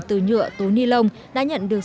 từ nhựa tố ni lông đã nhận được